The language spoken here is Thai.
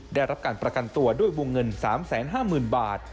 ได้รับการประกันตัวด้วยวงเงิน๓๕๐๐๐บาท